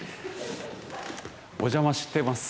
お邪魔してます。